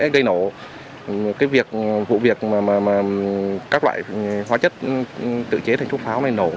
để gây nổ cái việc vụ việc mà các loại hóa chất tự chế thành thuốc pháo này nổ